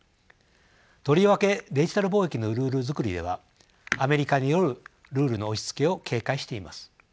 とりわけデジタル貿易のルールづくりではアメリカによるルールの押しつけを警戒しています。